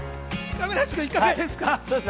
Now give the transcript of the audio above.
亀梨くんいかがですか？